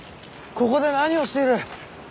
ここで何をしている。